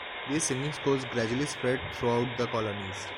These singing schools gradually spread throughout the colonies.